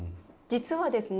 実はですね